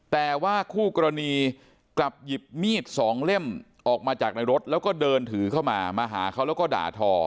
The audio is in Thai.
แต่ว่าคู่กรณีกลับหยิบมีดสองเล่มออกมาจากในรถแล้วก็เดินถือเข้ามามาหาเขาแล้วก็ด่าทอ